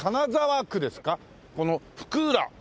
この福浦。